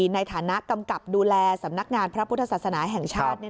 ในฐานะกำกับดูแลสำนักงานพระพุทธศาสนาแห่งชาติ